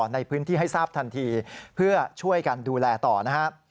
ในพื้นที่ให้ทราบทันทีเพื่อช่วยกันดูแลต่อนะครับ